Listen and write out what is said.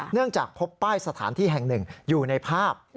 จากพบป้ายสถานที่แห่งหนึ่งอยู่ในภาพ